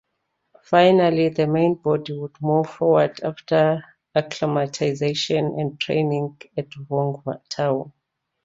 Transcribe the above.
Finally, the main body would move forward after acclimatisation and training at Vung Tau.